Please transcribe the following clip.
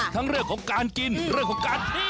ทั้งเรื่องของการกินเรื่องของการ